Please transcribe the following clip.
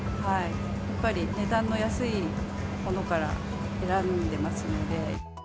やっぱり値段の安いものから選んでますので。